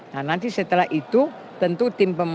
nah nanti setelah itu tentu tim pemenangan